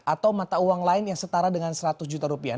atau mata uang lain yang setara dengan seratus juta rupiah